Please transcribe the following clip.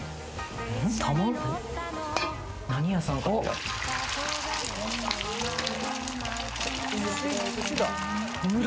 何屋さんかしら？